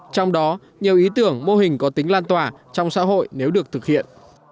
trong đó nhiều ý tưởng mô hình có tính lan tỏa trong xã hội nếu được thực hiện